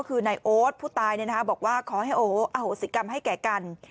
พวกผู้ตายบอกว่าขอให้โอโฮศิกรรมให้แก่กัน